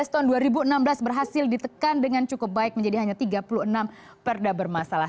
dua belas tahun dua ribu enam belas berhasil ditekan dengan cukup baik menjadi hanya tiga puluh enam perda bermasalah